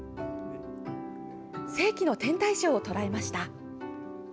世紀の天体ショーを捉えました。